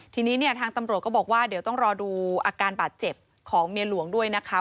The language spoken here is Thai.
ทีนี้เนี่ยทางตำรวจก็บอกว่าเดี๋ยวต้องรอดูอาการบาดเจ็บของเมียหลวงด้วยนะคะ